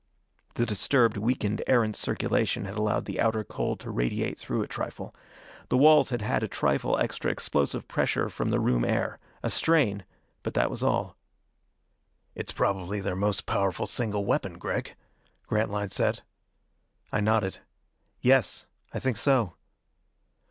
The disturbed, weakened Erentz circulation had allowed the outer cold to radiate through a trifle. The walls had had a trifle extra explosive pressure from the room air. A strain but that was all. "It's probably their most powerful single weapon, Gregg." Grantline said. I nodded. "Yes. I think so."